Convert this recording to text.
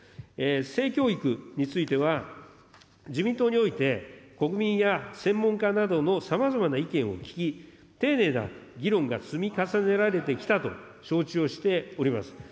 性教育については、自民党において、国民や専門家などのさまざまな意見を聞き、丁寧な議論が積み重ねられてきたと承知をしております。